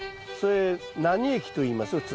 それ何液といいます？